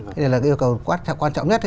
thế này là yêu cầu quan trọng nhất